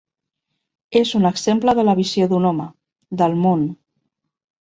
És un exemple de la visió d'un home, del món.